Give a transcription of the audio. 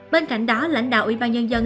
bên cạnh đó lãnh đạo ủy ban nhân dân